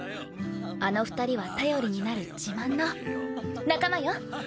あの２人は頼りになる自慢の仲間よ。